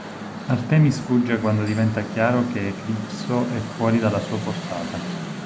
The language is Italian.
Artemis fugge quando diventa chiaro che Eclipso è fuori dalla sua portata.